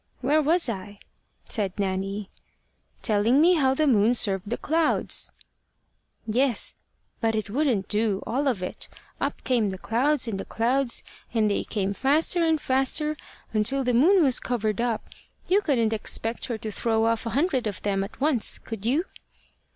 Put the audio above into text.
"Where was I?" said Nanny. "Telling me how the moon served the clouds." "Yes. But it wouldn't do, all of it. Up came the clouds and the clouds, and they came faster and faster, until the moon was covered up. You couldn't expect her to throw off a hundred of them at once could you?"